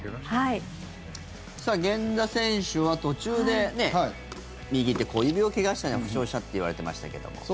さあ、源田選手は途中で右手小指を怪我した負傷したといわれてましたけども。